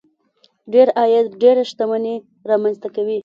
ډېر عاید ډېره شتمني رامنځته کوي.